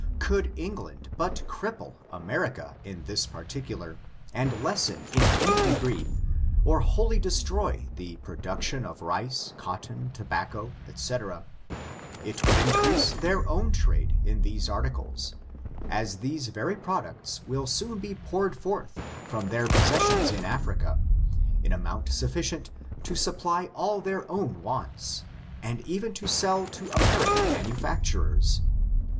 Could England but cripple Amer ica in this particular, and lessen in any degree, or wholly destroy the production of rice, cotton, tobac co, &C., it would increase their own trade in these articles, as these very products will soon be poured forth from their possessions in Africa^ in amount sufficient to supply all their own wants, and even to sell to American manufacturers.